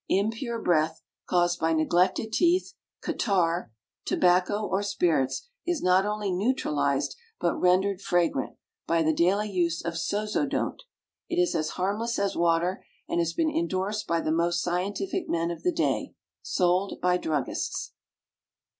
=Impure Breath=, caused by neglected teeth, catarrh, tobacco, or spirits, is not only neutralized, but rendered fragrant, by the daily use of =SOZODONT=. It is as harmless as water, and has been indorsed by the most scientific men of the day. Sold by druggists.